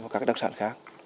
các đặc sản khác